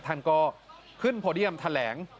ท่านก็ขึ้นโพเดียมแถลง